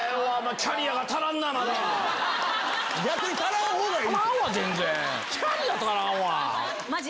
キャリア足らんわ！